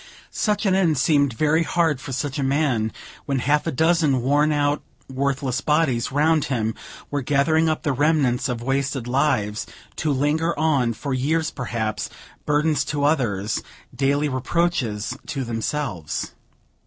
Such an end seemed very hard for such a man, when half a dozen worn out, worthless bodies round him, were gathering up the remnants of wasted lives, to linger on for years perhaps, burdens to others, daily reproaches to themselves.